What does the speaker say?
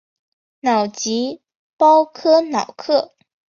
瑙吉鲍科瑙克。